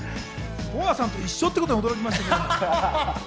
ＢｏＡさんと一緒っていうのに驚きましたけど。